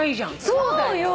そうだよ！